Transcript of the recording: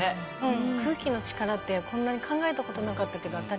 空気の力ってこんなに考えたことなかったけど。